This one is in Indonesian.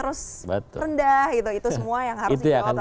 eksplorasi terus rendah itu semua yang harus